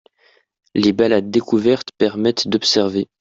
Les balades découvertes permettent d’observer.